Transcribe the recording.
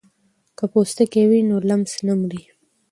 که پوستکی وي نو لمس نه مري.